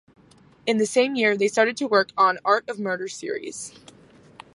In the same year, they started to work on "Art of Murder" series.